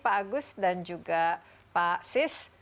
pak agus dan juga pak sis